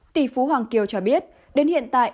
tỷ phú hoàng kiều cho biết đến hiện tại